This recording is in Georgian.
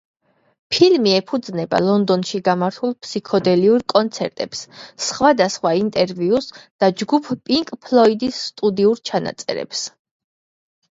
ფილმი ეფუძნება ლონდონში გამართულ ფსიქოდელიურ კონცერტებს, სხვადასხვა ინტერვიუს და ჯგუფ პინკ ფლოიდის სტუდიურ ჩანაწერებს.